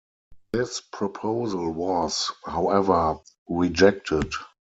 This proposal was, however, rejected.